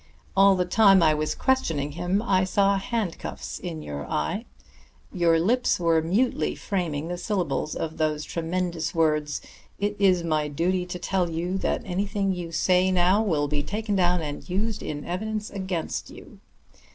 All the time I was questioning him I saw handcuffs in your eye. Your lips were mutely framing the syllables of those tremendous words: 'It is my duty to tell you that anything you now say will be taken down and used in evidence against you.'